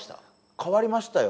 変わりましたよ